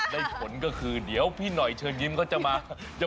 ได้ผลก็คือเดี๋ยวพี่หน่อยเชิญยิ้มเขาจะมา